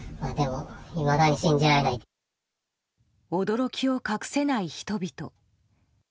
驚きを隠せない人々。